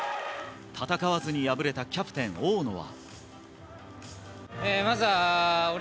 戦わずに敗れたキャプテン大野は。